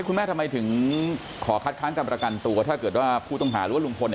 คุณแม่ทำไมถึงขอคัดค้างกับประกันตัวถ้าเกิดว่าผู้ต้องหารว่าลุงพลเนี่ย